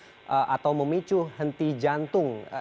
atau memicu henti jantung